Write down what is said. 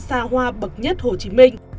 xa hoa bậc nhất hồ chí minh